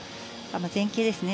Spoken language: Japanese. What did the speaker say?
前傾ですね。